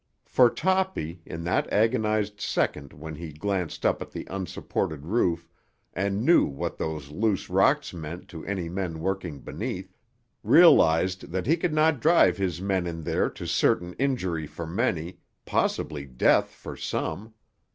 For Toppy, in that agonised second when he glanced up at the unsupported roof and knew what those loose rocks meant to any men working beneath, realised that he could not drive his men in there to certain injury for many, possibly death for some.